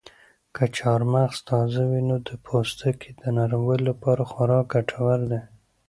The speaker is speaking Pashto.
که چهارمغز تازه وي نو د پوستکي د نرموالي لپاره خورا ګټور دي.